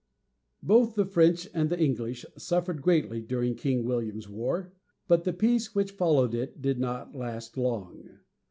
Both the French and the English suffered greatly during King William's War, but the peace which followed it did not last long.